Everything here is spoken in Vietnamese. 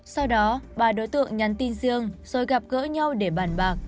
sau đó ba đối tượng nhắn tin riêng rồi gặp gỡ nhau để bàn bạc